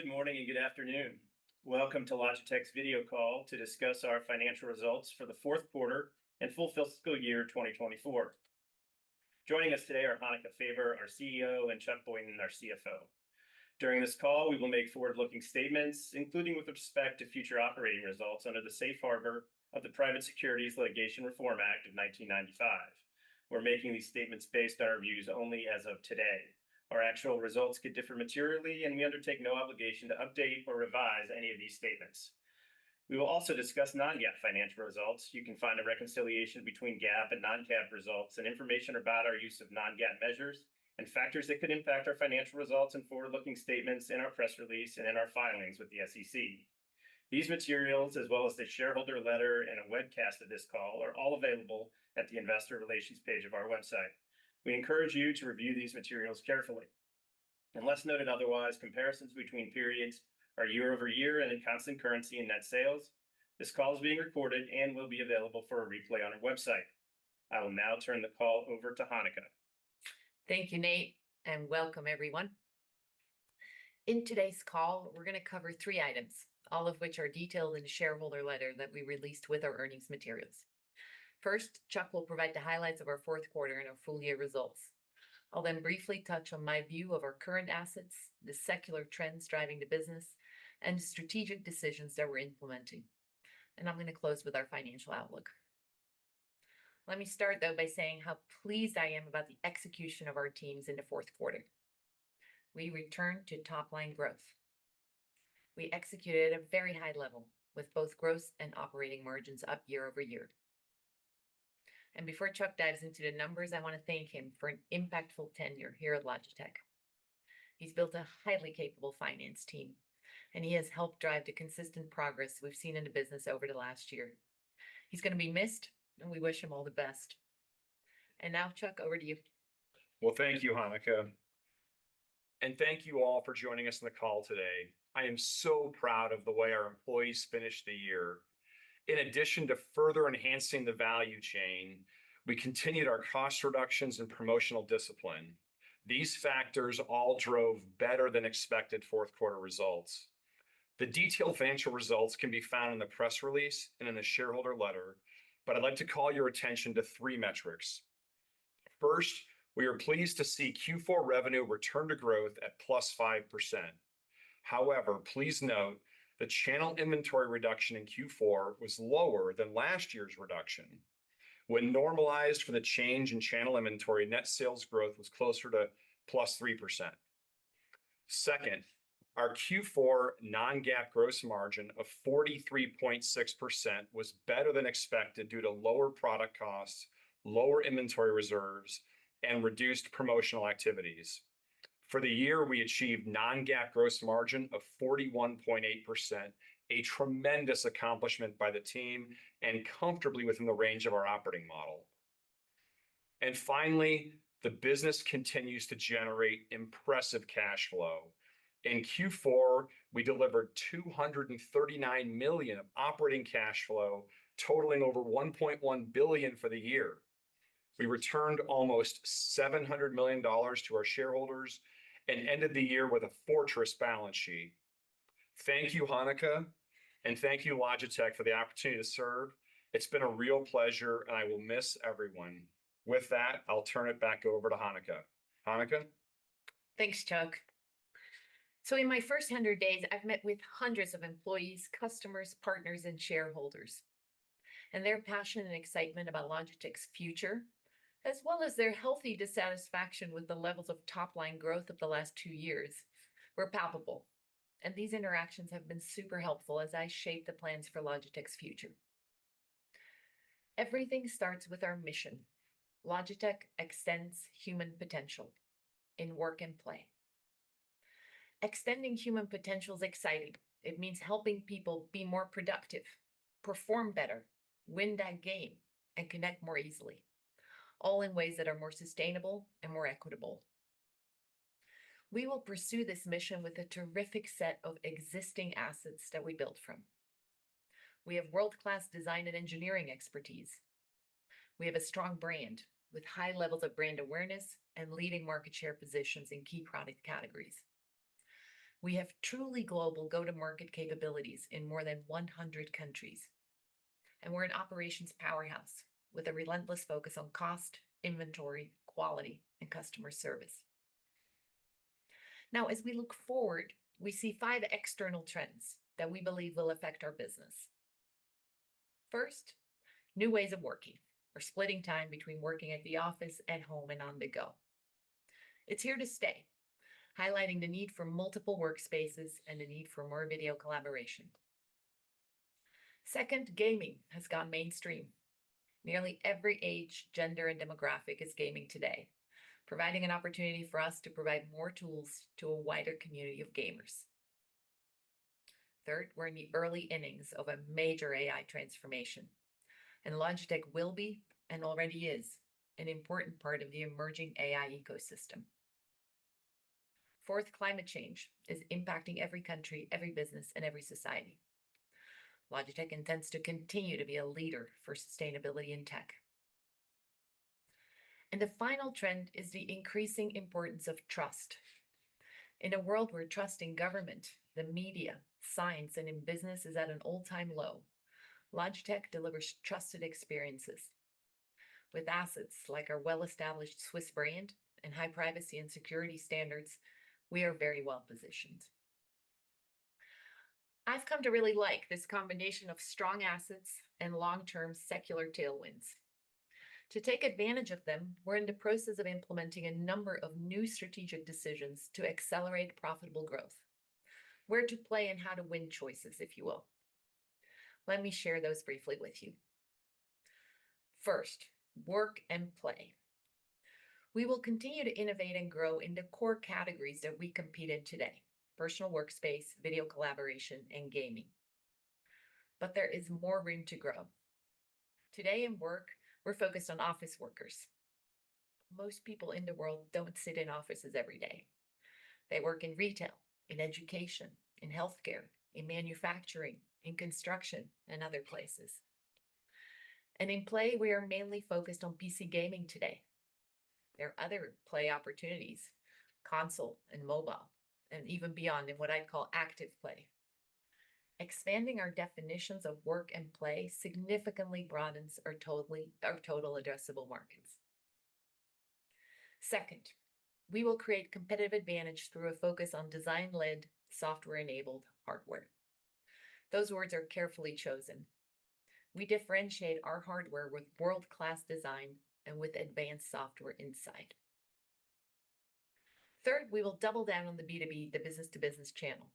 Good morning and good afternoon. Welcome to Logitech's video call to discuss our financial results for the fourth quarter and full fiscal year 2024. Joining us today are Hanneke Faber, our CEO, and Chuck Boynton, our CFO. During this call, we will make forward-looking statements, including with respect to future operating results under the safe harbor of the Private Securities Litigation Reform Act of 1995. We're making these statements based on our views only as of today. Our actual results could differ materially, and we undertake no obligation to update or revise any of these statements. We will also discuss non-GAAP financial results. You can find a reconciliation between GAAP and non-GAAP results and information about our use of non-GAAP measures and factors that could impact our financial results and forward-looking statements in our press release and in our filings with the SEC. These materials, as well as the shareholder letter and a webcast of this call, are all available at the Investor Relations page of our website. We encourage you to review these materials carefully. Unless noted otherwise, comparisons between periods are year-over-year and in constant currency and net sales. This call is being recorded and will be available for a replay on our website. I will now turn the call over to Hanneke. Thank you, Nate, and welcome everyone. In today's call, we're gonna cover three items, all of which are detailed in the shareholder letter that we released with our earnings materials. First, Chuck will provide the highlights of our fourth quarter and our full year results. I'll then briefly touch on my view of our current assets, the secular trends driving the business, and strategic decisions that we're implementing. I'm gonna close with our financial outlook. Let me start, though, by saying how pleased I am about the execution of our teams in the fourth quarter. We returned to top-line growth. We executed at a very high level, with both gross and operating margins up year-over-year. Before Chuck dives into the numbers, I want to thank him for an impactful tenure here at Logitech. He's built a highly capable finance team, and he has helped drive the consistent progress we've seen in the business over the last year. He's gonna be missed, and we wish him all the best. Now, Chuck, over to you. Well, thank you, Hanneke, and thank you all for joining us on the call today. I am so proud of the way our employees finished the year. In addition to further enhancing the value chain, we continued our cost reductions and promotional discipline. These factors all drove better than expected fourth quarter results. The detailed financial results can be found in the press release and in the shareholder letter, but I'd like to call your attention to three metrics. First, we are pleased to see Q4 revenue return to growth at +5%. However, please note, the channel inventory reduction in Q4 was lower than last year's reduction. When normalized for the change in channel inventory, net sales growth was closer to +3%. Second, our Q4 non-GAAP gross margin of 43.6% was better than expected due to lower product costs, lower inventory reserves, and reduced promotional activities. For the year, we achieved non-GAAP gross margin of 41.8%, a tremendous accomplishment by the team and comfortably within the range of our operating model. And finally, the business continues to generate impressive cash flow. In Q4, we delivered $239 million of operating cash flow, totaling over $1.1 billion for the year. We returned almost $700 million to our shareholders and ended the year with a fortress balance sheet. Thank you, Hanneke, and thank you, Logitech, for the opportunity to serve. It's been a real pleasure, and I will miss everyone. With that, I'll turn it back over to Hanneke. Hanneke? Thanks, Chuck. So in my first 100 days, I've met with hundreds of employees, customers, partners, and shareholders, and their passion and excitement about Logitech's future, as well as their healthy dissatisfaction with the levels of top-line growth of the last two years, were palpable, and these interactions have been super helpful as I shape the plans for Logitech's future. Everything starts with our mission. "Logitech extends human potential in work and play." Extending human potential is exciting. It means helping people be more productive, perform better, win that game, and connect more easily, all in ways that are more sustainable and more equitable. We will pursue this mission with a terrific set of existing assets that we built from. We have world-class design and engineering expertise. We have a strong brand with high levels of brand awareness and leading market share positions in key product categories. We have truly global go-to-market capabilities in more than 100 countries, and we're an operations powerhouse with a relentless focus on cost, inventory, quality, and customer service. Now, as we look forward, we see five external trends that we believe will affect our business. First, new ways of working. We're splitting time between working at the office and home and on the go. It's here to stay, highlighting the need for multiple workspaces and the need for more video collaboration. Second, gaming has gone mainstream. Nearly every age, gender, and demographic is gaming today, providing an opportunity for us to provide more tools to a wider community of gamers. Third, we're in the early innings of a major AI transformation, and Logitech will be, and already is, an important part of the emerging AI ecosystem. Fourth, climate change is impacting every country, every business, and every society. Logitech intends to continue to be a leader for sustainability in tech. The final trend is the increasing importance of trust. In a world where trust in government, the media, science, and in business is at an all-time low, Logitech delivers trusted experiences. With assets like our well-established Swiss brand and high privacy and security standards, we are very well-positioned. I've come to really like this combination of strong assets and long-term secular tailwinds. To take advantage of them, we're in the process of implementing a number of new strategic decisions to accelerate profitable growth, where to play and how to win choices, if you will. Let me share those briefly with you. First, work and play. We will continue to innovate and grow in the core categories that we compete in today: personal workspace, video collaboration, and gaming. But there is more room to grow. Today in work, we're focused on office workers. Most people in the world don't sit in offices every day. They work in retail, in education, in healthcare, in manufacturing, in construction, and other places. And in play, we are mainly focused on PC gaming today. There are other play opportunities, console and mobile, and even beyond, in what I'd call active play. Expanding our definitions of work and play significantly broadens our total addressable markets. Second, we will create competitive advantage through a focus on design-led, software-enabled hardware. Those words are carefully chosen. We differentiate our hardware with world-class design and with advanced software insight. Third, we will double down on the B2B, the business-to-business channel.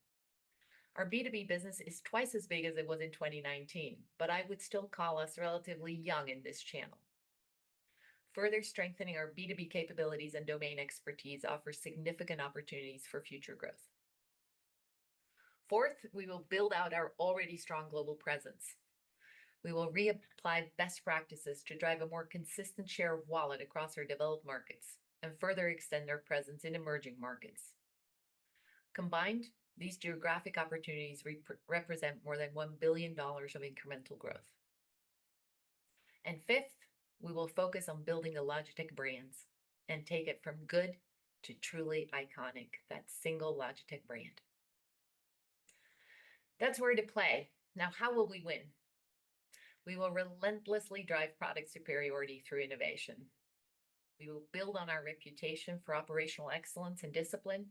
Our B2B business is twice as big as it was in 2019, but I would still call us relatively young in this channel. Further strengthening our B2B capabilities and domain expertise offers significant opportunities for future growth. Fourth, we will build out our already strong global presence. We will reapply best practices to drive a more consistent share of wallet across our developed markets and further extend our presence in emerging markets. Combined, these geographic opportunities represent more than $1 billion of incremental growth. And fifth, we will focus on building the Logitech brands and take it from good to truly iconic, that single Logitech brand. That's where to play. Now, how will we win? We will relentlessly drive product superiority through innovation. We will build on our reputation for operational excellence and discipline,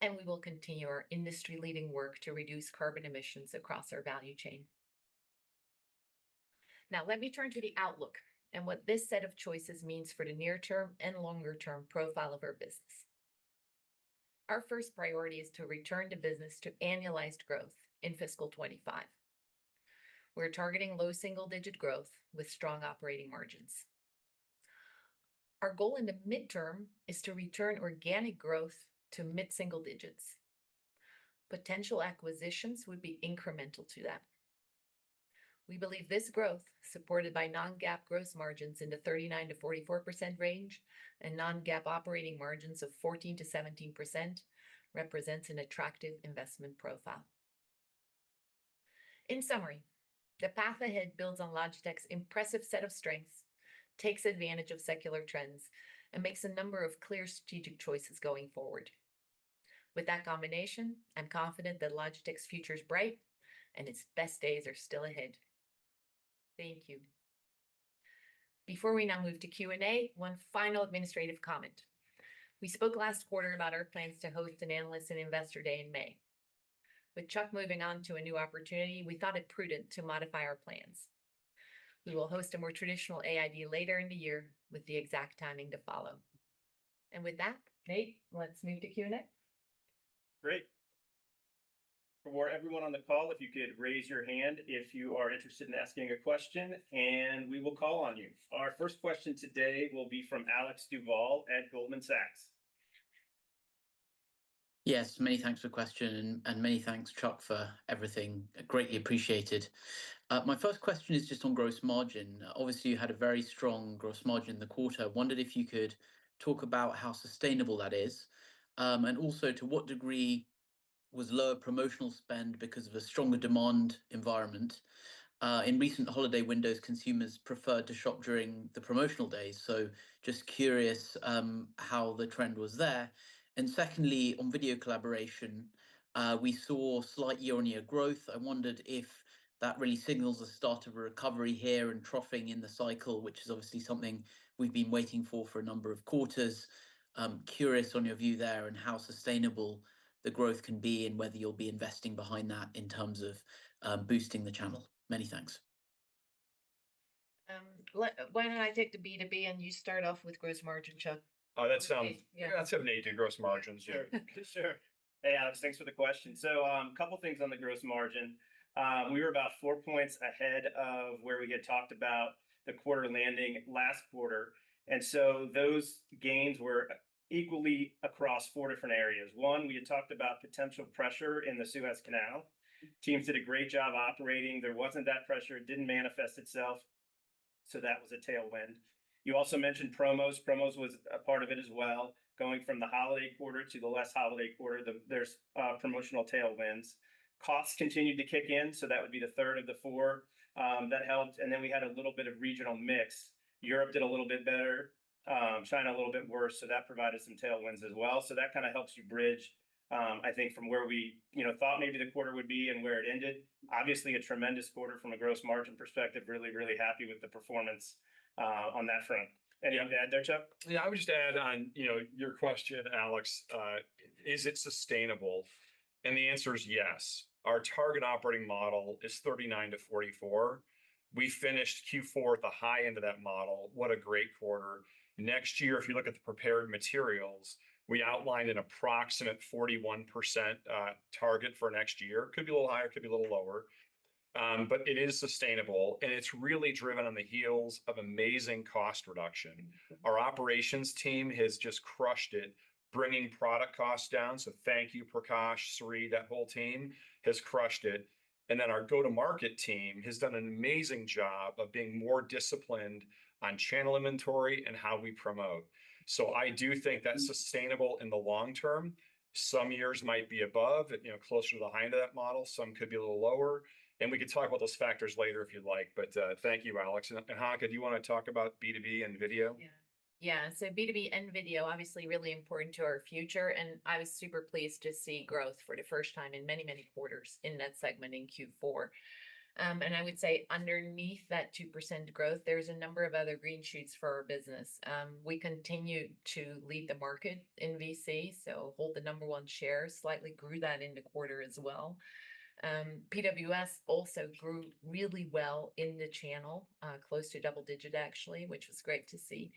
and we will continue our industry-leading work to reduce carbon emissions across our value chain. Now, let me turn to the outlook and what this set of choices means for the near-term and longer-term profile of our business. Our first priority is to return to business to annualized growth in fiscal 25. We're targeting low single-digit growth with strong operating margins. Our goal in the midterm is to return organic growth to mid-single digits. Potential acquisitions would be incremental to that. We believe this growth, supported by non-GAAP gross margins in the 39%-44% range and non-GAAP operating margins of 14%-17%, represents an attractive investment profile. In summary, the path ahead builds on Logitech's impressive set of strengths, takes advantage of secular trends, and makes a number of clear strategic choices going forward. With that combination, I'm confident that Logitech's future is bright and its best days are still ahead. Thank you. Before we now move to Q&A, one final administrative comment. We spoke last quarter about our plans to host an Analyst and Investor Day in May. With Chuck moving on to a new opportunity, we thought it prudent to modify our plans. We will host a more traditional AID later in the year, with the exact timing to follow. With that, Nate, let's move to Q&A. Great. For everyone on the call, if you could raise your hand if you are interested in asking a question, and we will call on you. Our first question today will be from Alex Duval at Goldman Sachs. Yes, many thanks for the question, and many thanks, Chuck, for everything. Greatly appreciated. My first question is just on gross margin. Obviously, you had a very strong gross margin in the quarter. I wondered if you could talk about how sustainable that is, and also, to what degree was lower promotional spend because of a stronger demand environment? In recent holiday windows, consumers preferred to shop during the promotional days, so just curious, how the trend was there. And secondly, on video collaboration, we saw slight year-on-year growth. I wondered if that really signals the start of a recovery here and troughing in the cycle, which is obviously something we've been waiting for a number of quarters. Curious on your view there and how sustainable the growth can be, and whether you'll be investing behind that in terms of boosting the channel. Many thanks. Why don't I take the B2B, and you start off with gross margin, Chuck? Oh, that sounds- Yeah. That sounds easy, gross margins. Sure. Sure. Hey, Alex, thanks for the question. So, couple things on the gross margin. We were about four points ahead of where we had talked about the quarter landing last quarter, and so those gains were equally across four different areas. One, we had talked about potential pressure in the Suez Canal. Teams did a great job operating. There wasn't that pressure. It didn't manifest itself, so that was a tailwind. You also mentioned promos. Promos was a part of it as well. Going from the holiday quarter to the last holiday quarter, there's promotional tailwinds. Costs continued to kick in, so that would be the third of the four. That helped, and then we had a little bit of regional mix. Europe did a little bit better, China a little bit worse, so that provided some tailwinds as well. So that kind of helps you bridge, I think from where we, you know, thought maybe the quarter would be and where it ended. Obviously, a tremendous quarter from a gross margin perspective. Really, really happy with the performance, on that front. Anything to add there, Chuck? Yeah, I would just add on, you know, your question, Alex. Is it sustainable? And the answer is yes. Our target operating model is 39%-44%. We finished Q4 at the high end of that model. What a great quarter! Next year, if you look at the prepared materials, we outlined an approximate 41% target for next year. Could be a little higher, could be a little lower, but it is sustainable, and it's really driven on the heels of amazing cost reduction. Our operations team has just crushed it, bringing product costs down, so thank you, Prakash, Sri, that whole team has crushed it. And then our go-to-market team has done an amazing job of being more disciplined on channel inventory and how we promote. So I do think that's sustainable in the long term. Some years might be above, and, you know, closer to the high end of that model, some could be a little lower, and we can talk about those factors later if you'd like, but thank you, Alex. And, Hanneke, do you wanna talk about B2B and video? Yeah. Yeah, so B2B and video, obviously really important to our future, and I was super pleased to see growth for the first time in many, many quarters in that segment in Q4. And I would say underneath that 2% growth, there's a number of other green shoots for our business. We continue to lead the market in VC, so hold the number one share, slightly grew that in the quarter as well. PWS also grew really well in the channel, close to double digit, actually, which was great to see.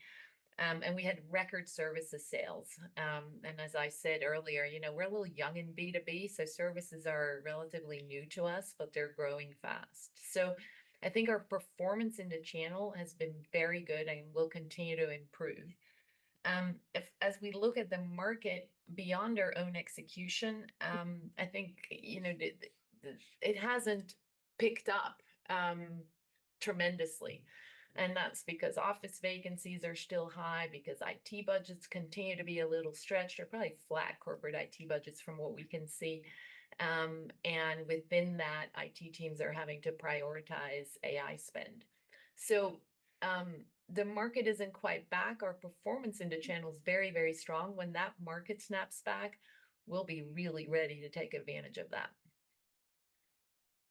And we had record services sales. And as I said earlier, you know, we're a little young in B2B, so services are relatively new to us, but they're growing fast. So I think our performance in the channel has been very good and will continue to improve. If as we look at the market beyond our own execution, I think, you know, the, the it hasn't picked up tremendously, and that's because office vacancies are still high, because IT budgets continue to be a little stretched or probably flat corporate IT budgets from what we can see. And within that, IT teams are having to prioritize AI spend. So, the market isn't quite back. Our performance in the channel's very, very strong. When that market snaps back, we'll be really ready to take advantage of that.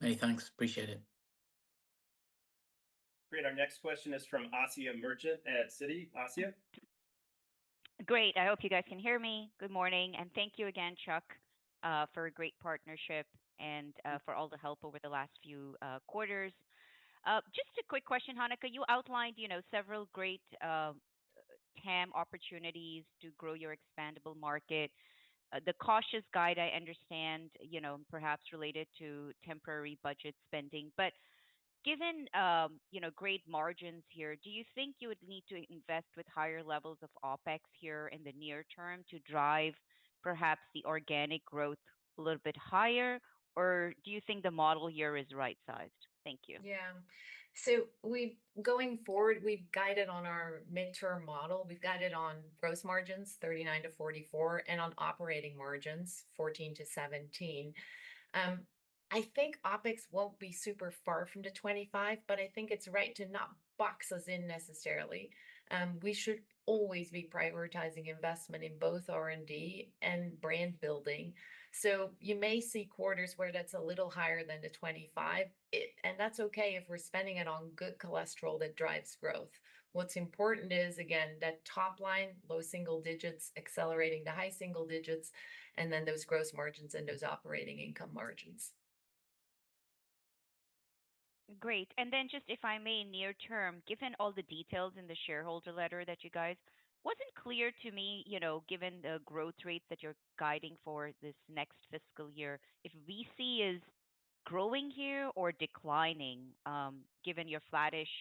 Hey, thanks. Appreciate it. Great. Our next question is from Asiya Merchant at Citi. Asiya? Great! I hope you guys can hear me. Good morning, and thank you again, Chuck, for a great partnership and for all the help over the last few quarters. Just a quick question, Hanneke. You outlined, you know, several great TAM opportunities to grow your expandable market. The cautious guide, I understand, you know, perhaps related to temporary budget spending, but given you know great margins here, do you think you would need to invest with higher levels of OpEx here in the near term to drive perhaps the organic growth a little bit higher, or do you think the model here is right-sized? Thank you. Yeah. So, going forward, we've guided on our mid-term model. We've guided on gross margins, 39%-44%, and on operating margins, 14%-17%. I think OpEx won't be super far from the 25, but I think it's right to not box us in necessarily. We should always be prioritizing investment in both R&D and brand building. So you may see quarters where that's a little higher than the 25, and that's okay if we're spending it on good cholesterol that drives growth. What's important is, again, that top line, low single digits, accelerating to high single digits, and then those gross margins and those operating income margins. Great, and then just if I may, near term, given all the details in the shareholder letter that you guys, wasn't clear to me, you know, given the growth rate that you're guiding for this next fiscal year, if VC is growing here or declining, given your flattish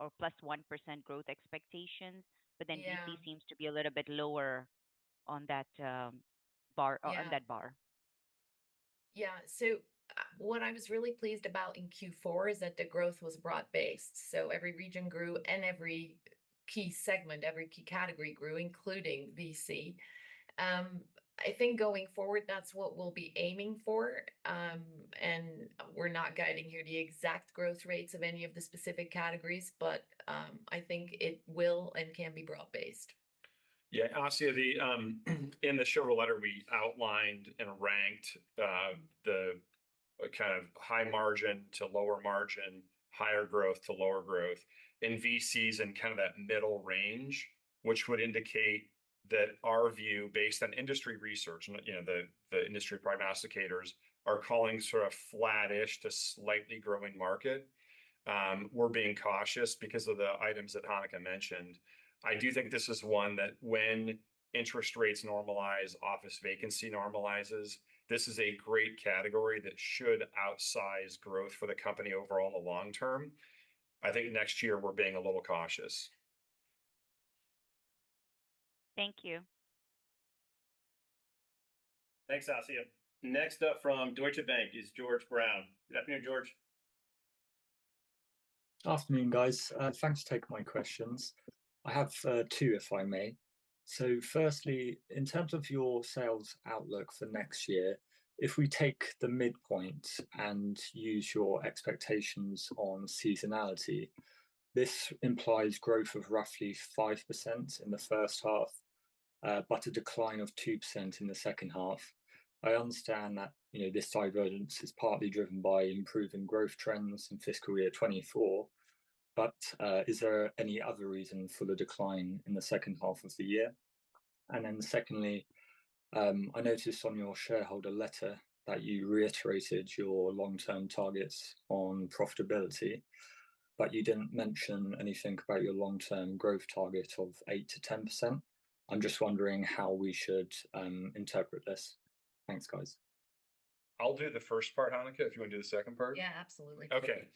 or +1% growth expectations? Yeah But then VC seems to be a little bit lower on that, bar- Yeah On that bar. Yeah, so what I was really pleased about in Q4 is that the growth was broad-based, so every region grew and every key segment, every key category grew, including VC. I think going forward, that's what we'll be aiming for, and we're not guiding you to the exact growth rates of any of the specific categories, but I think it will and can be broad-based. Yeah, Asiya, in the shareholder letter, we outlined and ranked the kind of high margin to lower margin, higher growth to lower growth. And VC's in kind of that middle range, which would indicate that our view, based on industry research, and, you know, the industry prognosticators are calling sort of flattish to slightly growing market. We're being cautious because of the items that Hanneke mentioned. I do think this is one that when interest rates normalize, office vacancy normalizes, this is a great category that should outsize growth for the company overall in the long term. I think next year we're being a little cautious. Thank you. Thanks, Asiya. Next up from Deutsche Bank is George Brown. Good afternoon, George. Afternoon, guys. Thanks for taking my questions. I have two, if I may. So firstly, in terms of your sales outlook for next year, if we take the midpoint and use your expectations on seasonality, this implies growth of roughly 5% in the first half, but a decline of 2% in the second half. I understand that, you know, this divergence is partly driven by improving growth trends in fiscal year 2024, but is there any other reason for the decline in the second half of the year? And then secondly, I noticed on your shareholder letter that you reiterated your long-term targets on profitability, but you didn't mention anything about your long-term growth target of 8%-10%. I'm just wondering how we should interpret this. Thanks, guys. I'll do the first part, Hanneke, if you want to do the second part? Yeah, absolutely. Okay.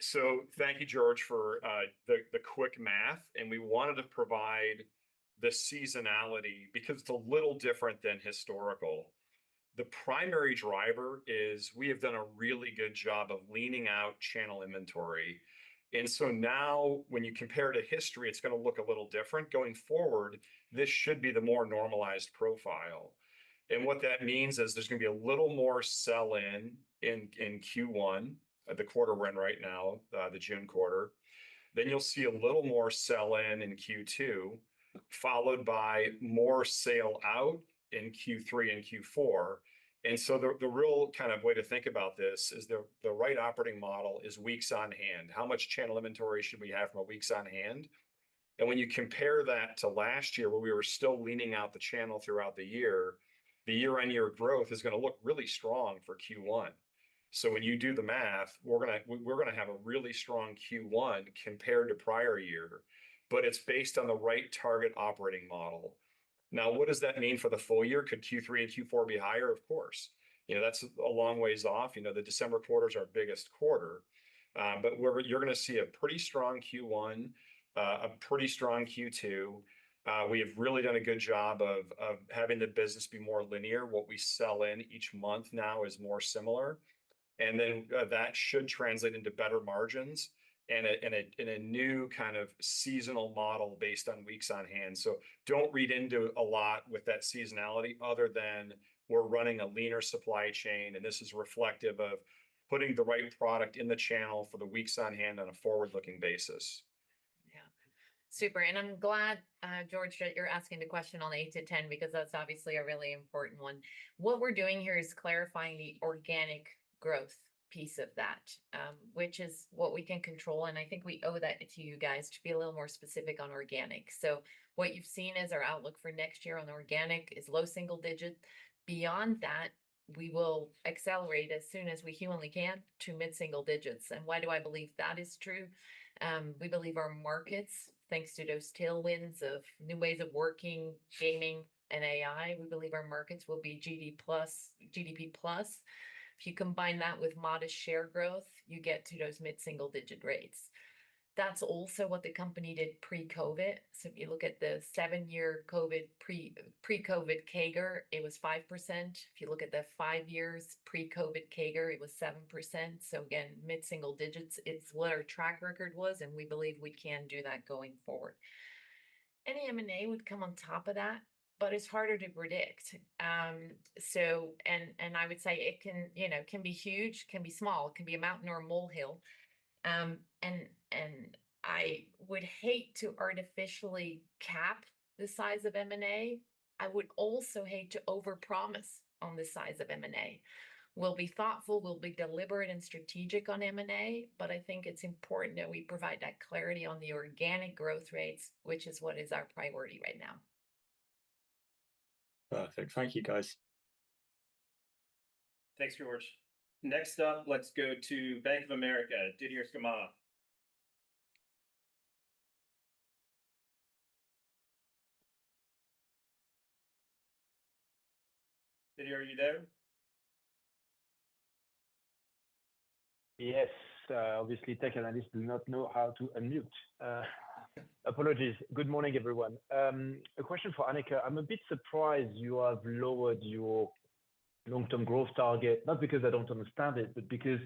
So thank you, George, for the quick math, and we wanted to provide the seasonality because it's a little different than historical. The primary driver is we have done a really good job of leaning out channel inventory, and so now when you compare to history, it's gonna look a little different. Going forward, this should be the more normalized profile. And what that means is there's gonna be a little more sell-in in Q1, at the quarter we're in right now, the June quarter. Then you'll see a little more sell-in in Q2, followed by more sale out in Q3 and Q4. And so the real kind of way to think about this is the right operating model is weeks on hand. How much channel inventory should we have from a weeks on hand? When you compare that to last year, where we were still leaning out the channel throughout the year, the year-on-year growth is gonna look really strong for Q1. So when you do the math, we're gonna have a really strong Q1 compared to prior year, but it's based on the right target operating model. Now, what does that mean for the full year? Could Q3 and Q4 be higher? Of course. You know, that's a long ways off. You know, the December quarter is our biggest quarter. But you're gonna see a pretty strong Q1, a pretty strong Q2. We have really done a good job of having the business be more linear. What we sell in each month now is more similar, and then, that should translate into better margins and a new kind of seasonal model based on weeks on hand. So don't read into a lot with that seasonality other than we're running a leaner supply chain, and this is reflective of putting the right product in the channel for the weeks on hand on a forward-looking basis. Yeah. Super, and I'm glad, George, that you're asking the question on 8-10, because that's obviously a really important one. What we're doing here is clarifying the organic growth piece of that, which is what we can control, and I think we owe that to you guys to be a little more specific on organic. So what you've seen is our outlook for next year on organic is low single digit. Beyond that, we will accelerate as soon as we humanly can to mid-single digits. And why do I believe that is true? We believe our markets, thanks to those tailwinds of new ways of working, gaming, and AI, we believe our markets will be GDP plus. If you combine that with modest share growth, you get to those mid-single-digit rates. That's also what the company did pre-COVID. So if you look at the seven-year pre-COVID CAGR, it was 5%. If you look at the five years pre-COVID CAGR, it was 7%. So again, mid-single digits, it's what our track record was, and we believe we can do that going forward. Any M&A would come on top of that, but it's harder to predict. So, and I would say it can, you know, can be huge, can be small, it can be a mountain or a molehill. And I would hate to artificially cap the size of M&A. I would also hate to overpromise on the size of M&A. We'll be thoughtful, we'll be deliberate and strategic on M&A, but I think it's important that we provide that clarity on the organic growth rates, which is what is our priority right now. Perfect. Thank you, guys. Thanks, George. Next up, let's go to Bank of America, Didier Scemama. Didier, are you there? Yes. Obviously, tech analysts do not know how to unmute. Apologies. Good morning, everyone. A question for Hanneke. I'm a bit surprised you have lowered your long-term growth target, not because I don't understand it, but because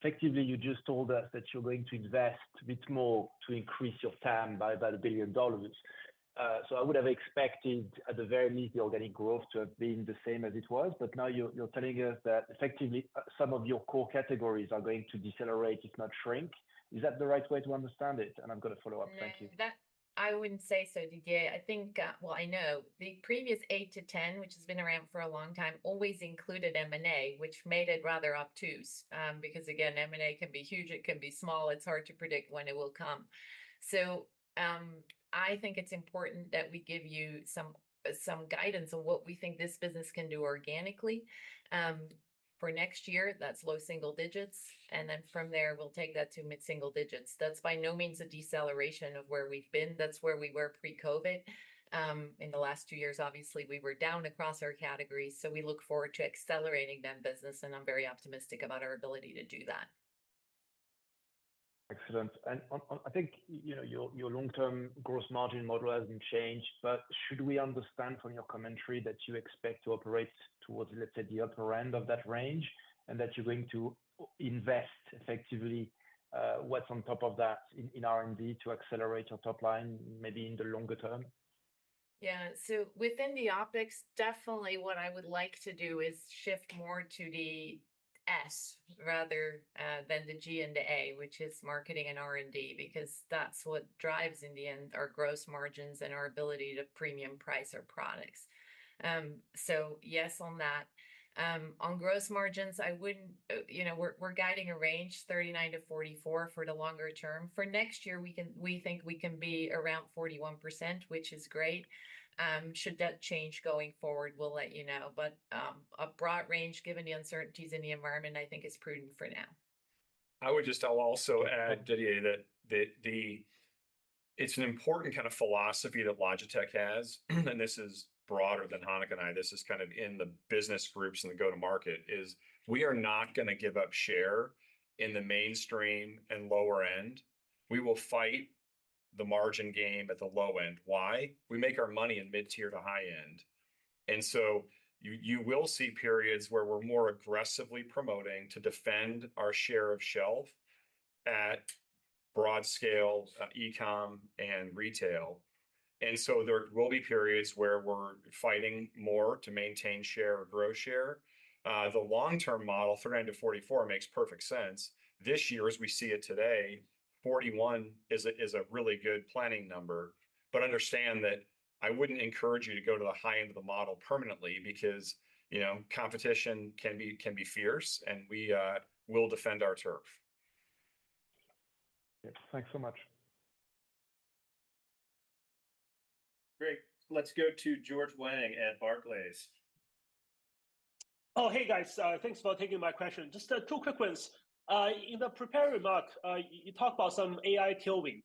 effectively you just told us that you're going to invest a bit more to increase your TAM by about $1 billion. So I would have expected, at the very least, the organic growth to have been the same as it was, but now you're, you're telling us that effectively some of your core categories are going to decelerate, if not shrink. Is that the right way to understand it? And I've got a follow-up. Thank you. That I wouldn't say so, Didier. I think—Well, I know the previous 8-10, which has been around for a long time, always included M&A, which made it rather obtuse, because, again, M&A can be huge, it can be small. It's hard to predict when it will come. I think it's important that we give you some guidance on what we think this business can do organically. For next year, that's low single digits, and then from there, we'll take that to mid-single digits. That's by no means a deceleration of where we've been. That's where we were pre-COVID. In the last two years, obviously, we were down across our categories, so we look forward to accelerating that business, and I'm very optimistic about our ability to do that. Excellent. And I think, you know, your long-term gross margin model hasn't changed, but should we understand from your commentary that you expect to operate towards, let's say, the upper end of that range, and that you're going to invest effectively what's on top of that in R&D to accelerate your top line, maybe in the longer term? Yeah, so within the OpEx, definitely what I would like to do is shift more to the S rather than the G and the A, which is marketing and R&D, because that's what drives, in the end, our gross margins and our ability to premium price our products. So yes on that. On gross margins, I wouldn't, you know, we're, we're guiding a range, 39%-44% for the longer term. For next year, we can, we think we can be around 41%, which is great. Should that change going forward, we'll let you know. But a broad range, given the uncertainties in the environment, I think is prudent for now. I would just, I'll also add, Didier, that it's an important kind of philosophy that Logitech has, and this is broader than Hanneke and I, this is kind of in the business groups and the go-to-market, is we are not gonna give up share in the mainstream and lower end. We will fight the margin game at the low end. Why? We make our money in mid-tier to high-end. And so you, you will see periods where we're more aggressively promoting to defend our share of shelf at broad scale, e-com and retail. And so there will be periods where we're fighting more to maintain share or grow share. The long-term model, 39-44, makes perfect sense. This year, as we see it today, 41 is a really good planning number. Understand that I wouldn't encourage you to go to the high end of the model permanently because, you know, competition can be fierce, and we will defend our turf. Thanks so much. Great. Let's go to George Wang at Barclays. Oh, hey, guys. Thanks for taking my question. Just, two quick ones. In the prepared remark, you talked about some AI tailwinds.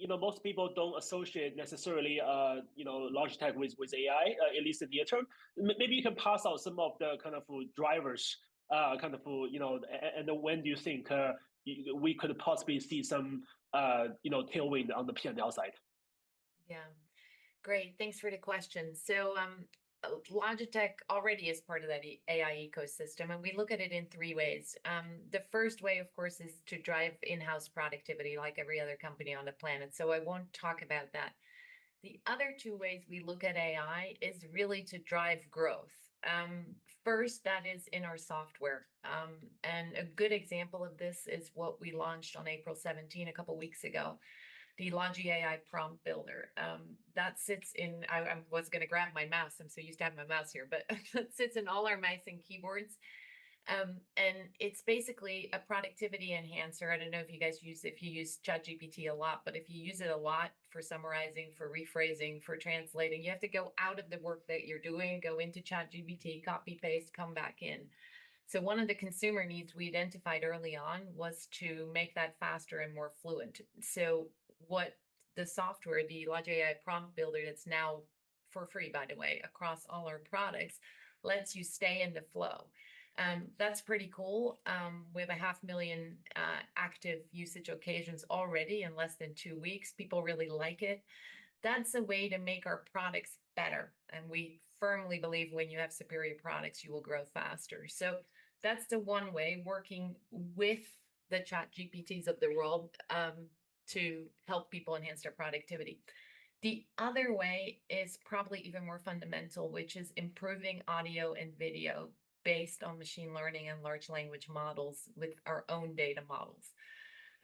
You know, most people don't associate necessarily, you know, Logitech with, with AI, at least in the near term. Maybe you can parse out some of the kind of drivers, kind of, you know, and when do you think, we could possibly see some, you know, tailwind on the P&L side? Yeah. Great, thanks for the question. So, Logitech already is part of that AI ecosystem, and we look at it in three ways. The first way, of course, is to drive in-house productivity like every other company on the planet, so I won't talk about that. The other two ways we look at AI is really to drive growth. First, that is in our software, and a good example of this is what we launched on April 17, a couple of weeks ago, the Logi AI Prompt Builder. That sits in—I, I was gonna grab my mouse. I'm so used to having my mouse here. But it sits in all our mice and keyboards, and it's basically a productivity enhancer. I don't know if you guys use it, if you use ChatGPT a lot, but if you use it a lot for summarizing, for rephrasing, for translating, you have to go out of the work that you're doing, go into ChatGPT, copy, paste, come back in. So one of the consumer needs we identified early on was to make that faster and more fluent. So what the software, the Logi AI Prompt Builder, that's now for free, by the way, across all our products, lets you stay in the flow. That's pretty cool. We have 500,000 active usage occasions already in less than two weeks. People really like it. That's a way to make our products better, and we firmly believe when you have superior products, you will grow faster. So that's the one way, working with the ChatGPTs of the world, to help people enhance their productivity. The other way is probably even more fundamental, which is improving audio and video based on machine learning and large language models with our own data models.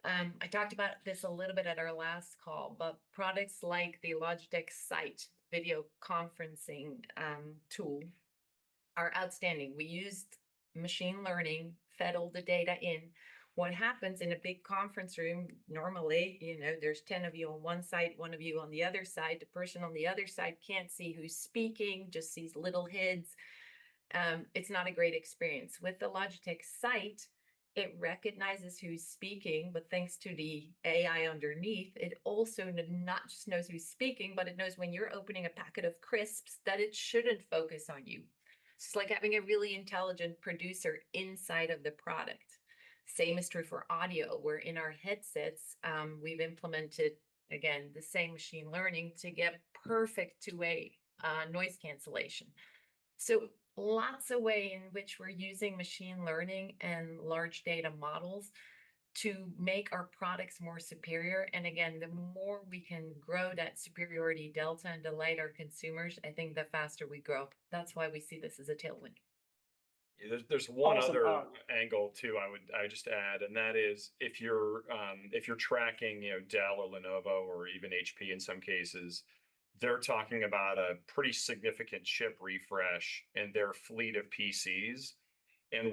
I talked about this a little bit at our last call, but products like the Logitech Sight video conferencing tool are outstanding. We used machine learning, fed all the data in. What happens in a big conference room, normally, you know, there's 10 of you on one side, one of you on the other side. The person on the other side can't see who's speaking, just sees little heads. It's not a great experience. With the Logitech Sight, it recognizes who's speaking, but thanks to the AI underneath, it also not just knows who's speaking, but it knows when you're opening a packet of crisps, that it shouldn't focus on you. It's like having a really intelligent producer inside of the product. Same is true for audio, where in our headsets, we've implemented, again, the same machine learning to get perfect two-way noise cancellation. So lots of way in which we're using machine learning and large data models to make our products more superior. And again, the more we can grow that superiority delta and delight our consumers, I think the faster we grow. That's why we see this as a tailwind. There, there's one other- Awesome. Angle, too, I would, I would just add, and that is, if you're, if you're tracking, you know, Dell or Lenovo or even HP in some cases, they're talking about a pretty significant PC refresh in their fleet of PCs.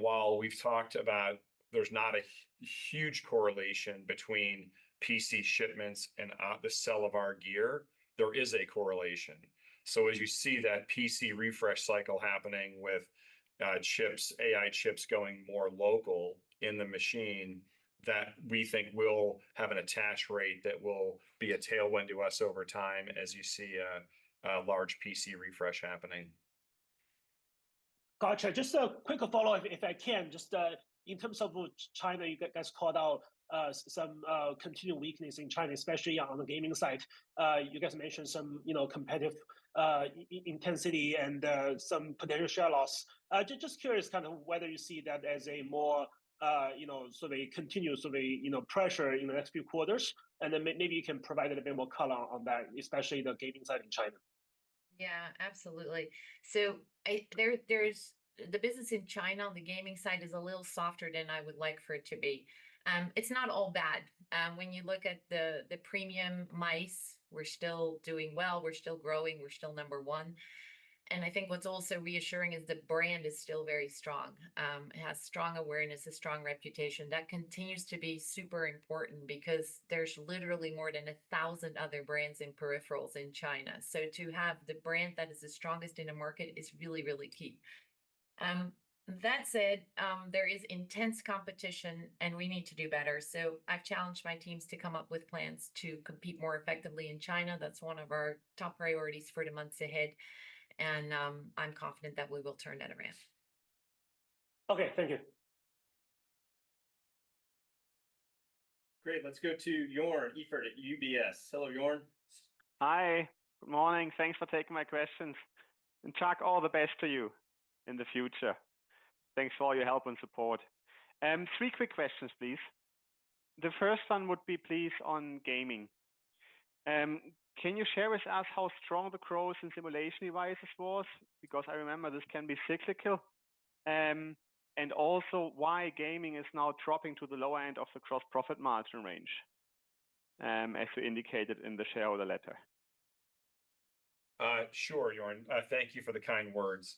While we've talked about there's not a huge correlation between PC shipments and the sell of our gear, there is a correlation. So as you see that PC refresh cycle happening with chips, AI chips going more local in the machine, that we think will have an attach rate that will be a tailwind to us over time, as you see a large PC refresh happening. Gotcha. Just a quick follow-up, if I can, just in terms of China, you guys called out some continued weakness in China, especially on the gaming side. You guys mentioned some, you know, competitive intensity and some potential share loss. Just curious kind of whether you see that as a more, you know, sort of a continuous sort of, you know, pressure in the next few quarters, and then maybe you can provide a little bit more color on that, especially the gaming side in China. Yeah, absolutely. So the business in China on the gaming side is a little softer than I would like for it to be. It's not all bad. When you look at the premium mice, we're still doing well, we're still growing, we're still number one. And I think what's also reassuring is the brand is still very strong. It has strong awareness, a strong reputation. That continues to be super important because there's literally more than 1,000 other brands in peripherals in China. So to have the brand that is the strongest in the market is really, really key. That said, there is intense competition, and we need to do better. So I've challenged my teams to come up with plans to compete more effectively in China. That's one of our top priorities for the months ahead, and, I'm confident that we will turn that around. Okay. Thank you. Great. Let's go to Joern Iffert at UBS. Hello, Joern. Hi. Good morning. Thanks for taking my questions. And Chuck, all the best to you in the future. Thanks for all your help and support. Three quick questions, please. The first one would be, please, on gaming. Can you share with us how strong the growth in simulation devices was? Because I remember this can be cyclical. And also why gaming is now dropping to the lower end of the gross profit margin range, as you indicated in the shareholder letter. Sure, Joern. Thank you for the kind words.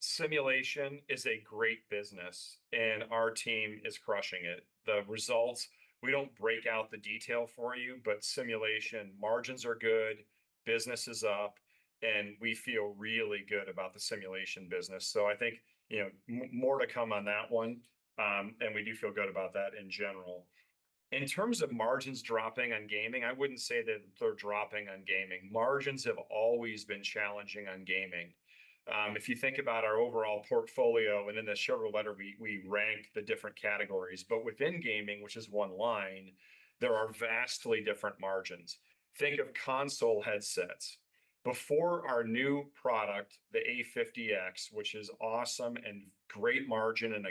Simulation is a great business, and our team is crushing it. The results, we don't break out the detail for you, but simulation margins are good, business is up, and we feel really good about the simulation business. So I think, you know, more to come on that one. And we do feel good about that in general. In terms of margins dropping on gaming, I wouldn't say that they're dropping on gaming. Margins have always been challenging on gaming. If you think about our overall portfolio, and in the shareholder letter, we ranked the different categories, but within gaming, which is one line, there are vastly different margins. Think of console headsets. Before our new product, the A50X, which is awesome and great margin and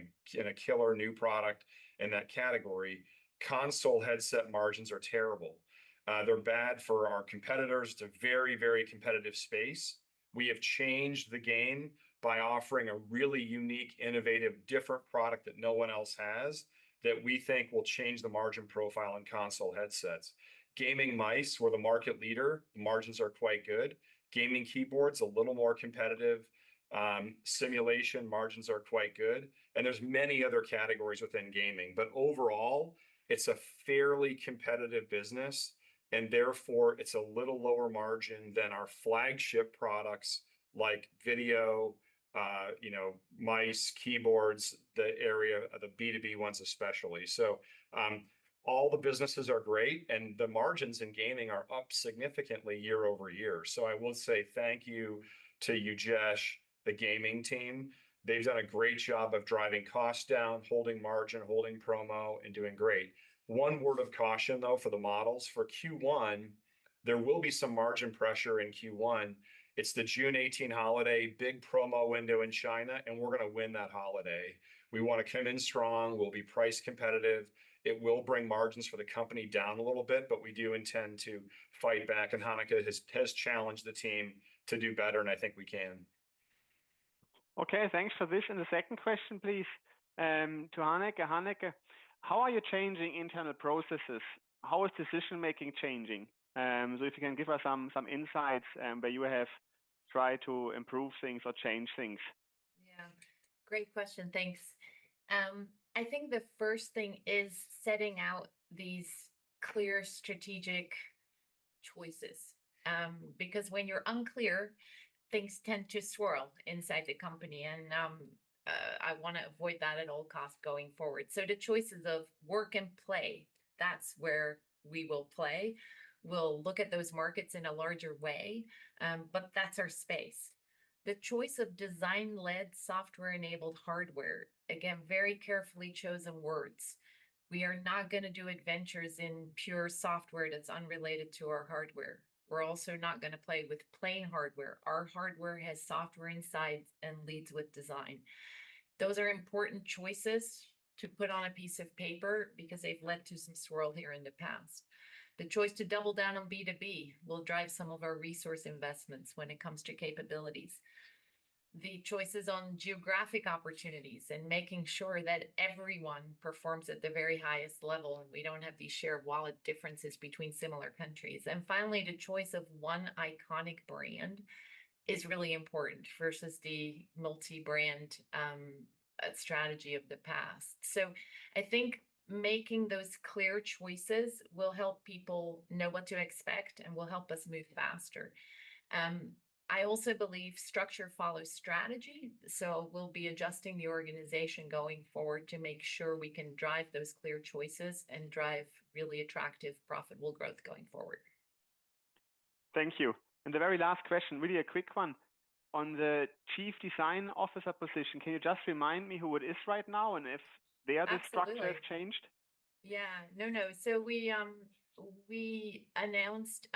a killer new product in that category, console headset margins are terrible. They're bad for our competitors. It's a very, very competitive space. We have changed the game by offering a really unique, innovative, different product that no one else has, that we think will change the margin profile on console headsets. Gaming mice, we're the market leader. Margins are quite good. Gaming keyboards, a little more competitive. Simulation margins are quite good, and there's many other categories within gaming. But overall, it's a fairly competitive business, and therefore, it's a little lower margin than our flagship products like video, you know, mice, keyboards, the B2B ones especially. So, all the businesses are great, and the margins in gaming are up significantly year-over-year. So I will say thank you to Ujesh, the gaming team. They've done a great job of driving costs down, holding margin, holding promo, and doing great. One word of caution, though, for the models. For Q1, there will be some margin pressure in Q1. It's the June 18 holiday, big promo window in China, and we're gonna win that holiday. We wanna come in strong. We'll be price competitive. It will bring margins for the company down a little bit, but we do intend to fight back, and Hanneke has, has challenged the team to do better, and I think we can. Okay, thanks for this. The second question, please, to Hanneke. Hanneke, how are you changing internal processes? How is decision-making changing? So if you can give us some insights, where you have tried to improve things or change things. Yeah. Great question. Thanks. I think the first thing is setting out these clear strategic choices, because when you're unclear, things tend to swirl inside the company, and I wanna avoid that at all costs going forward. So the choices of work and play, that's where we will play. We'll look at those markets in a larger way, but that's our space. The choice of design-led, software-enabled hardware, again, very carefully chosen words. We are not gonna do adventures in pure software that's unrelated to our hardware. We're also not gonna play with plain hardware. Our hardware has software inside and leads with design. Those are important choices to put on a piece of paper because they've led to some swirl here in the past. The choice to double down on B2B will drive some of our resource investments when it comes to capabilities. The choices on geographic opportunities and making sure that everyone performs at the very highest level, and we don't have these share wallet differences between similar countries. And finally, the choice of one iconic brand is really important versus the multi-brand strategy of the past. So I think making those clear choices will help people know what to expect and will help us move faster. I also believe structure follows strategy, so we'll be adjusting the organization going forward to make sure we can drive those clear choices and drive really attractive, profitable growth going forward. Thank you. The very last question, really a quick one. On the Chief Design Officer position, can you just remind me who it is right now, and if the other- Absolutely Structure has changed? Yeah, no, no. So we, we announced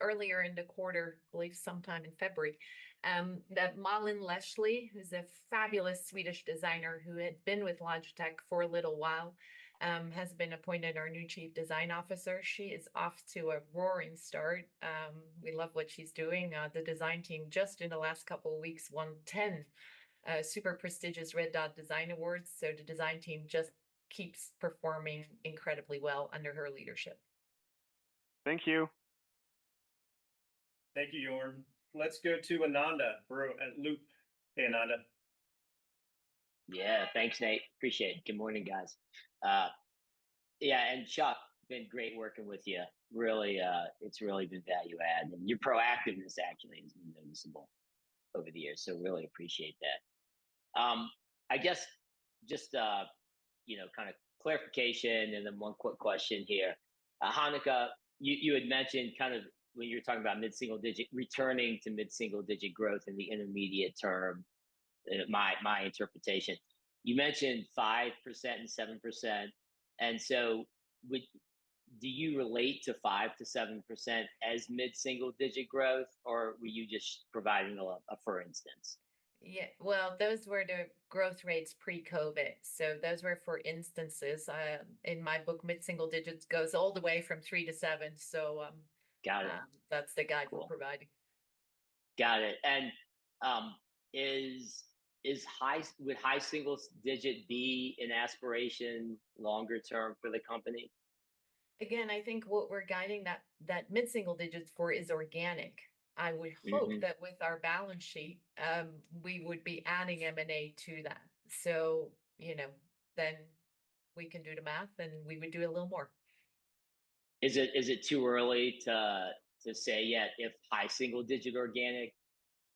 earlier in the quarter, I believe sometime in February, that Malin Leschly, who's a fabulous Swedish designer who had been with Logitech for a little while, has been appointed our new Chief Design Officer. She is off to a roaring start. We love what she's doing. The design team, just in the last couple of weeks, won 10 super prestigious Red Dot Design Awards. So the design team just keeps performing incredibly well under her leadership. Thank you. Thank you, Joern. Let's go to Ananda Baruah, Loop. Hey, Ananda. Yeah, thanks, Nate. Appreciate it. Good morning, guys. Yeah, and Chuck, been great working with you. Really, it's really been value add, and your proactiveness actually has been noticeable over the years, so really appreciate that. I guess just, you know, kind of clarification and then one quick question here. Hanneke, you had mentioned kind of when you were talking about mid-single digit returning to mid-single digit growth in the intermediate term, my interpretation. You mentioned 5% and 7%, and so would do you relate to 5%-7% as mid-single digit growth, or were you just providing a for instance? Yeah, well, those were the growth rates pre-COVID, so those were for instances. In my book, mid-single digits goes all the way from three to seven, so, Got it That's the guide we're providing. Got it. Would high single digit be an aspiration longer term for the company? Again, I think what we're guiding that mid-single digits for is organic. I would hope- Mm-hmm That with our balance sheet, we would be adding M&A to that. So, you know, then we can do the math, and we would do a little more. Is it too early to say yet if high single digit organic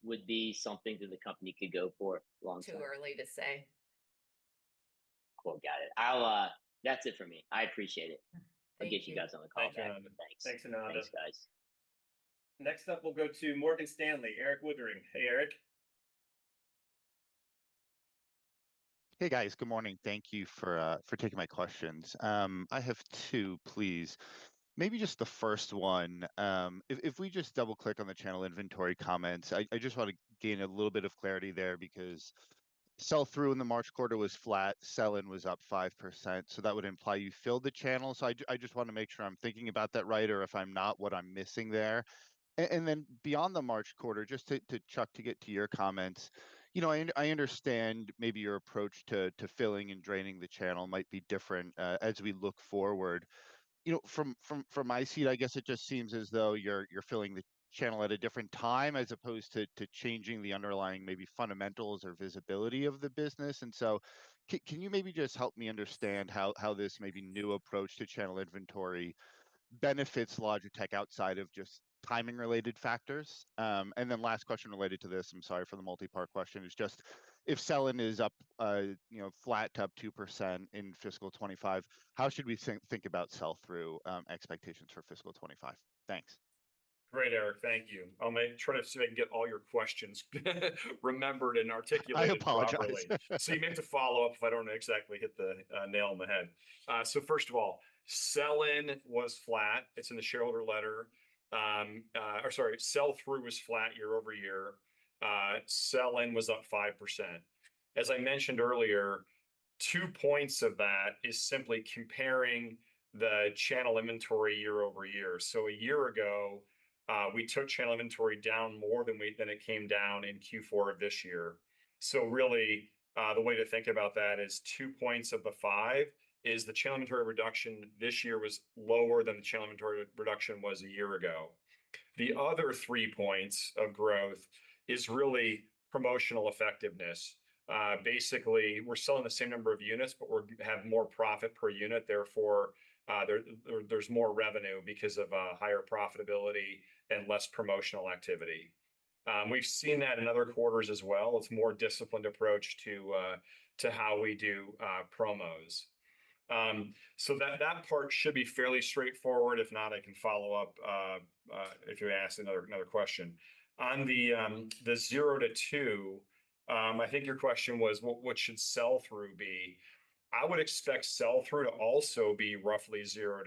would be something that the company could go for long term? Too early to say. Cool, got it. I'll... That's it for me. I appreciate it. Thank you. I'll get you guys on the call back. Thank you, Ananda. Thanks, guys. Next up, we'll go to Morgan Stanley, Erik Woodring. Hey, Erik. Hey, guys. Good morning. Thank you for taking my questions. I have two, please. Maybe just the first one, if we just double-click on the channel inventory comments, I just want to gain a little bit of clarity there, because sell-through in the March quarter was flat, sell-in was up 5%, so that would imply you filled the channel. So I just want to make sure I'm thinking about that right, or if I'm not, what I'm missing there. And then beyond the March quarter, just to Chuck, to get to your comments, you know, I understand maybe your approach to filling and draining the channel might be different, as we look forward. You know, from my seat, I guess it just seems as though you're filling the channel at a different time, as opposed to changing the underlying maybe fundamentals or visibility of the business. And so can you maybe just help me understand how this maybe new approach to channel inventory benefits Logitech outside of just timing-related factors? And then last question related to this, I'm sorry for the multi-part question, is just if sell-in is up, you know, flat to up 2% in fiscal 2025, how should we think about sell-through expectations for fiscal 2025? Thanks. Great, Erik. Thank you. I'll try to see if I can get all your questions remembered and articulated- I apologize. You may have to follow up if I don't exactly hit the nail on the head. First of all, sell-in was flat. It's in the shareholder letter. Or sorry, sell-through was flat year-over-year. Sell-in was up 5%. As I mentioned earlier, two points of that is simply comparing the channel inventory year-over-year. A year ago, we took channel inventory down more than it came down in Q4 of this year. Really, the way to think about that is two points of the five is the channel inventory reduction this year was lower than the channel inventory reduction was a year ago. The other three points of growth is really promotional effectiveness. Basically, we're selling the same number of units, but we're have more profit per unit, therefore, there's more revenue because of higher profitability and less promotional activity. We've seen that in other quarters as well. It's a more disciplined approach to how we do promos. So that part should be fairly straightforward. If not, I can follow up if you ask another question. On the 0-2, I think your question was what should sell-through be? I would expect sell-through to also be roughly 0-2.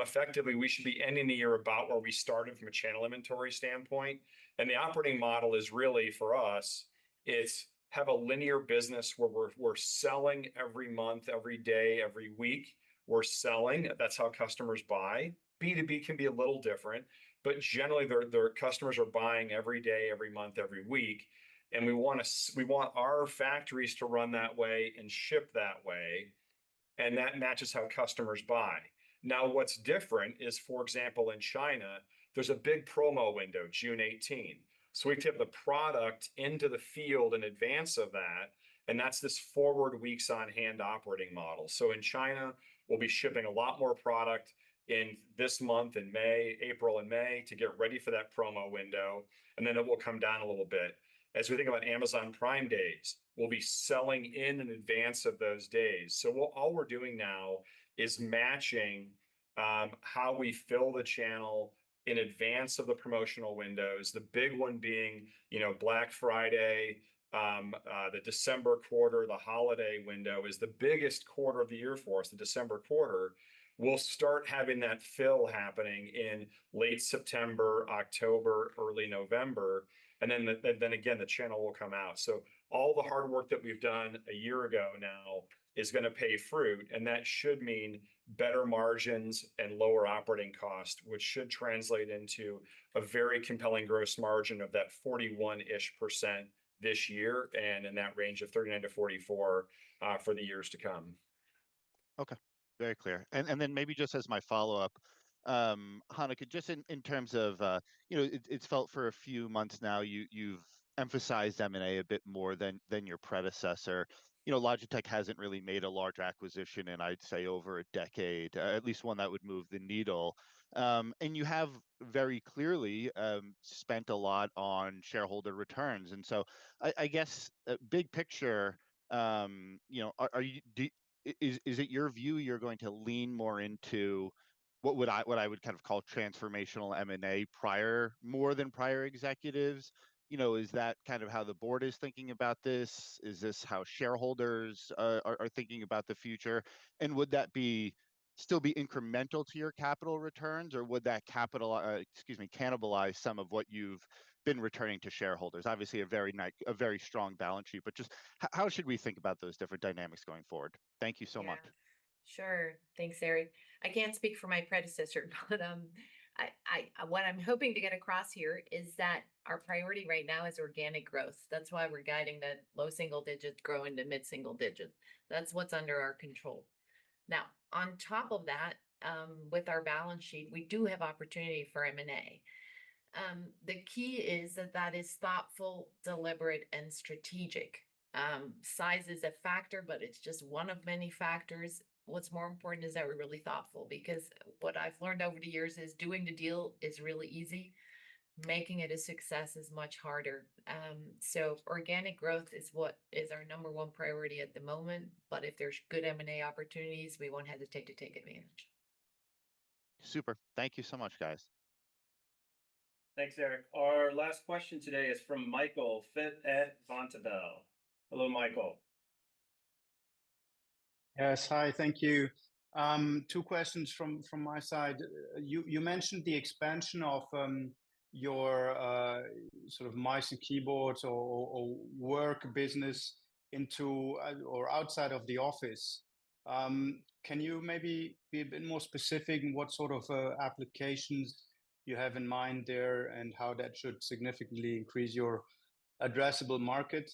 Effectively, we should be ending the year about where we started from a channel inventory standpoint. The operating model is really, for us, it's have a linear business where we're selling every month, every day, every week. We're selling. That's how customers buy. B2B can be a little different, but generally, their customers are buying every day, every month, every week, and we want our factories to run that way and ship that way, and that matches how customers buy. Now, what's different is, for example, in China, there's a big promo window, June 18. So we have to get the product into the field in advance of that, and that's this forward weeks on hand operating model. So in China, we'll be shipping a lot more product in this month in May, April and May, to get ready for that promo window, and then it will come down a little bit. As we think about Amazon Prime Days, we'll be selling in advance of those days. So all we're doing now is matching-... how we fill the channel in advance of the promotional windows, the big one being, you know, Black Friday, the December quarter. The holiday window is the biggest quarter of the year for us, the December quarter. We'll start having that fill happening in late September, October, early November, and then, then again, the channel will come out. So all the hard work that we've done a year ago now is gonna pay fruit, and that should mean better margins and lower operating costs, which should translate into a very compelling gross margin of that 41-ish% this year, and in that range of 39%-44%, for the years to come. Okay, very clear. And then maybe just as my follow-up, Hanneke, just in terms of, you know, it's felt for a few months now, you've emphasized M&A a bit more than your predecessor. You know, Logitech hasn't really made a large acquisition in I'd say over a decade, at least one that would move the needle. And you have very clearly spent a lot on shareholder returns. And so I guess, big picture, you know, is it your view you're going to lean more into what I would kind of call transformational M&A more than prior executives? You know, is that kind of how the board is thinking about this? Is this how shareholders are thinking about the future, and would that still be incremental to your capital returns, or would that capital, excuse me, cannibalize some of what you've been returning to shareholders? Obviously, a very strong balance sheet, but just how should we think about those different dynamics going forward? Thank you so much. Yeah. Sure. Thanks, Erik. I can't speak for my predecessor, but what I'm hoping to get across here is that our priority right now is organic growth. That's why we're guiding the low single digits grow into mid single digits. That's what's under our control. Now, on top of that, with our balance sheet, we do have opportunity for M&A. The key is that that is thoughtful, deliberate, and strategic. Size is a factor, but it's just one of many factors. What's more important is that we're really thoughtful, because what I've learned over the years is doing the deal is really easy, making it a success is much harder. So organic growth is what is our number one priority at the moment, but if there's good M&A opportunities, we won't hesitate to take advantage. Super. Thank you so much, guys. Thanks, Eric. Our last question today is from Michael Foeth at Vontobel. Hello, Michael. Yes, hi, thank you. Two questions from my side. You mentioned the expansion of your sort of mouse and keyboards or work business into or outside of the office. Can you maybe be a bit more specific on what sort of applications you have in mind there, and how that should significantly increase your addressable market?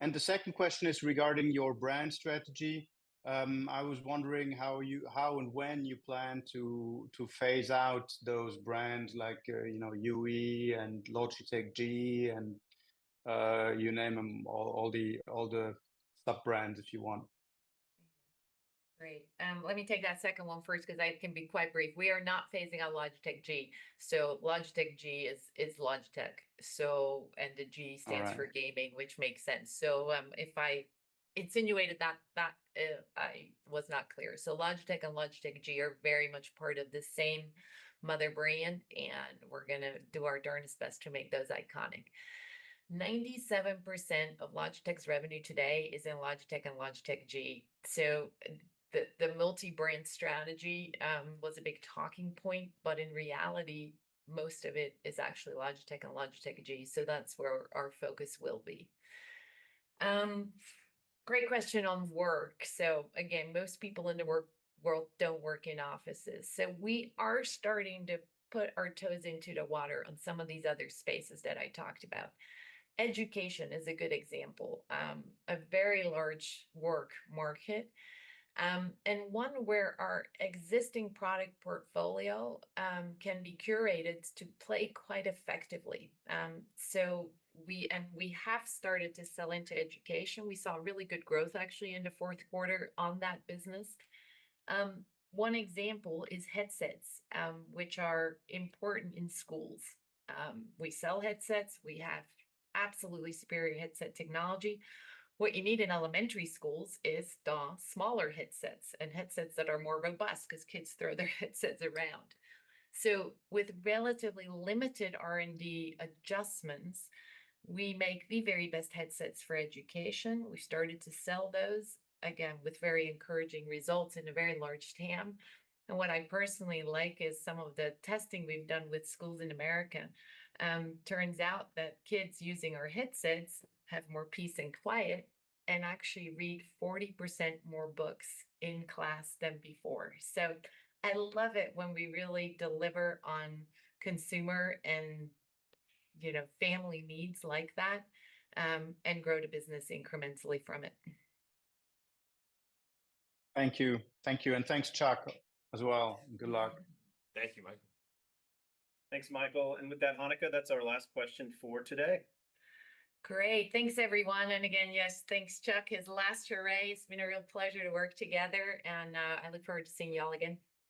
The second question is regarding your brand strategy. I was wondering how you and when you plan to phase out those brands like, you know, UE and Logitech G, and you name them, all the sub-brands, if you want. Great. Let me take that second one first, 'cause I can be quite brief. We are not phasing out Logitech G. So Logitech G is Logitech, so, and the G- All right Stands for gaming, which makes sense. If I insinuated that I was not clear. So Logitech and Logitech G are very much part of the same mother brand, and we're gonna do our darndest best to make those iconic. 97% of Logitech's revenue today is in Logitech and Logitech G. So the multi-brand strategy was a big talking point, but in reality, most of it is actually Logitech and Logitech G, so that's where our focus will be. Great question on work. So again, most people in the work world don't work in offices, so we are starting to put our toes into the water on some of these other spaces that I talked about. Education is a good example, a very large work market, and one where our existing product portfolio can be curated to play quite effectively. So we have started to sell into education. We saw really good growth, actually, in the fourth quarter on that business. One example is headsets, which are important in schools. We sell headsets. We have absolutely superior headset technology. What you need in elementary schools is the smaller headsets and headsets that are more robust 'cause kids throw their headsets around. So with relatively limited R&D adjustments, we make the very best headsets for education. We started to sell those, again, with very encouraging results in a very large TAM. What I personally like is some of the testing we've done with schools in America. Turns out that kids using our headsets have more peace and quiet and actually read 40% more books in class than before. So I love it when we really deliver on consumer and, you know, family needs like that, and grow the business incrementally from it. Thank you. Thank you, and thanks, Chuck, as well, and good luck. Thank you, Michael. Thanks, Michael, and with that, Hanneke, that's our last question for today. Great. Thanks, everyone, and again, yes, thanks, Chuck. His last hurrah. It's been a real pleasure to work together and, I look forward to seeing you all again.